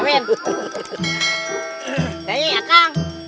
saat ini ya kang